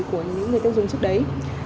của những người tiêu dùng trước đấy